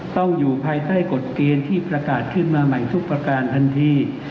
อยู่ภายใต้กฎเกณฑ์ที่ประกาศขึ้นมาใหม่ทุกประการทันที